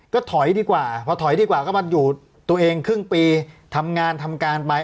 ก็ถอยดีกว่าพอถอยดีกว่าก็มาอยู่ตัวเองครึ่งปีทำงานทำการไป